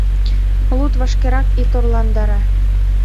— Луд вашкерак, ит орландаре!